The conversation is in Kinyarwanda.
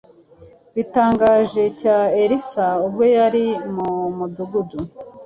bitangaje cya Elisa ubwo yari mu mudugudu